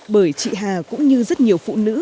bởi chị hà cũng như rất nhiều phụ nữ